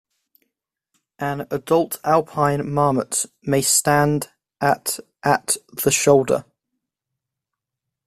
An adult alpine marmot may stand at at the shoulder.